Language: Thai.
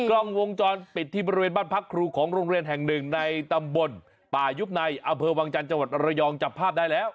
กล้องวงจรปิดที่บริเวณบ้านพักครูของโรงเรียนแห่งหนึ่งในตำบลป่ายุบในอำเภอวังจันทร์จังหวัดระยองจับภาพได้แล้ว